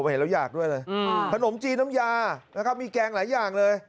เห็นแล้วอยากด้วยเลยขนมจีนน้ำยานะครับมีแกงหลายอย่างเลย